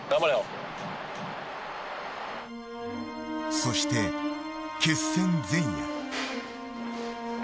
そして決戦前夜。